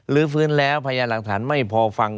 ลื้อฟื้นแล้วพยานหลักฐานไม่พอฟัง